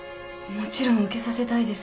もちろん受けさせたいです。